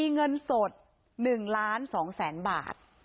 เงินสด๑ล้าน๒แสนบาท